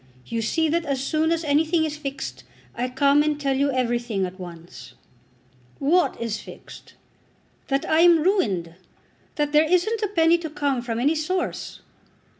You see that as soon as anything is fixed, I come and tell you everything at once." "What is fixed?" "That I am ruined. That there isn't a penny to come from any source."